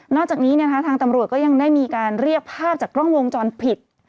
จากนี้ทางตำรวจก็ยังได้มีการเรียกภาพจากกล้องวงจรปิด